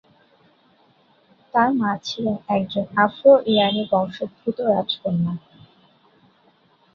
তার মা ছিলেন একজন আফ্রো ইরানি বংশোদ্ভূত রাজকন্যা।